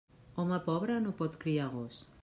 Home pobre no pot criar gos.